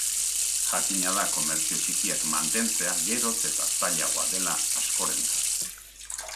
Jakina da komertzio txikiak mantentzea geroz eta zailagoa dela askorentzat.